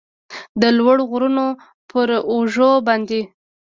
د لوړو غرونو پراوږو باندې